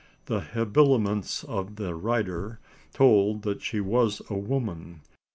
The habiliments of the rider told that she was a woman.